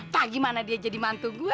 pagi mana dia jadi mantu gua